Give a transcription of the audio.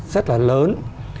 rất là lớn